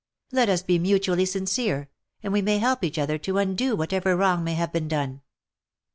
Let us be mutually sincere, and we may help each other to undo whatever wrong may have been done.